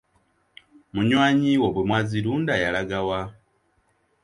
Munywanyi wo bwe mwazirunda yalagawa?